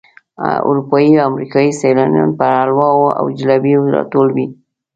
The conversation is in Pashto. اروپایي او امریکایي سیلانیان پر حلواو او جلبیو راټول وي.